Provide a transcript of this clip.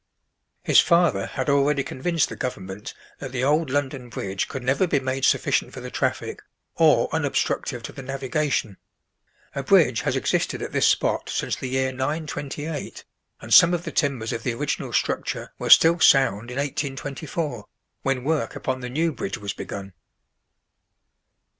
His father had already convinced the government that the old London Bridge could never be made sufficient for the traffic, or unobstructive to the navigation. A bridge has existed at this spot since the year 928, and some of the timbers of the original structure were still sound in 1824, when work upon the new bridge was begun.